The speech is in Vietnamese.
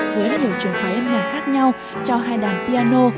với nhiều trường phái âm nhạc khác nhau cho hai đàn piano